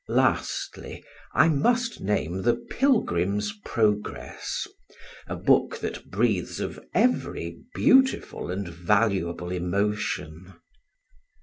Lastly, I must name the Pilgrim's Progress, a book that breathes of every beautiful and valuable emotion.